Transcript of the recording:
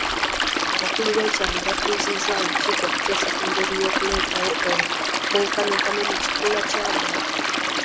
Abakulu b'ekyalo batuuzizza olukiiko okuteesa ku ngeri y'okuleetawo omwenkanonkano mu kikula ky'abantu .